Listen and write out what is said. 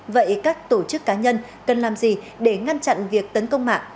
vậy các tổ chức cá nhân cần làm gì để ngăn chặn việc tấn công mạng